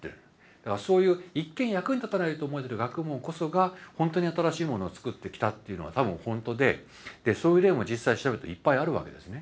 だからそういう一見役に立たないと思える学問こそがほんとに新しいものをつくってきたっていうのは多分ほんとでそういう例も実際調べるといっぱいあるわけですね。